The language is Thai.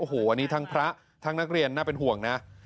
โอ้โหอันนี้ทั้งพระทั้งนักเรียนน่าเป็นห่วงนะ